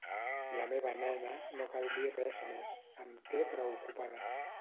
La meva nena, no cal dir res més, em té preocupada.